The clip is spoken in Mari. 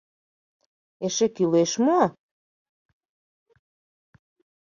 — Эше кӱлеш мо?